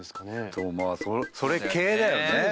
でもまあそれ系だよね。